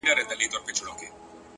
په گلونو کي عجيبه فلسفه ده!